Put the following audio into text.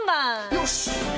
よし！